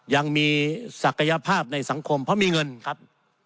ยังมีศักยภาพในสังคมเพราะมีเงินครับ